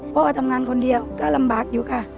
พ่อทำงานคนเดียวก็ลำบากอยู่ค่ะ